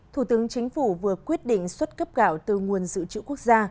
thủ tướng chính phủ vừa quyết định xuất cấp gạo từ nguồn dự trữ quốc gia